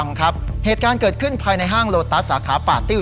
ครับเหตุการณ์เกิดขึ้นภายในห้างโลตัสสาขาป่าติ้ว